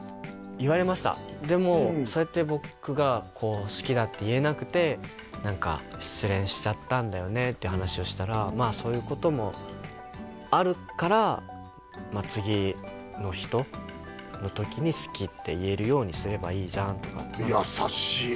言われましたでもそうやって僕が好きだって言えなくて失恋しちゃったんだよねっていう話をしたらまあそういうこともあるから次の人の時に好きって言えるようにすればいいじゃんとか優しい！